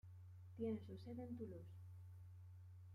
Tiene su sede en Toulouse.